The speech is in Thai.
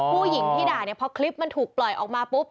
ผู้หญิงที่ด่าเนี่ยพอคลิปมันถูกปล่อยออกมาปุ๊บ